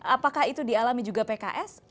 apakah itu dialami juga pks